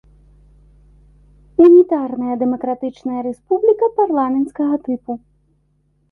Унітарная дэмакратычная рэспубліка парламенцкага тыпу.